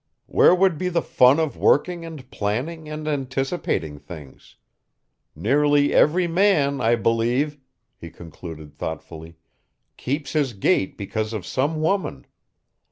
Where would be the fun of working and planning and anticipating things? Nearly every man, I believe," he concluded thoughtfully, "keeps his gait because of some woman.